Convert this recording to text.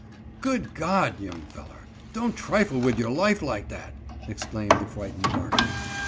"Good God! young feller, don't trifle wid your life like dat," exclaimed the frightened darkey.